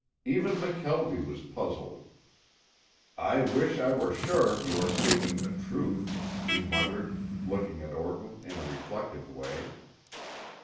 Even McKelvie was puzzled. "I wish I were sure you are speaking the truth," he muttered, looking at Orton in a reflective way.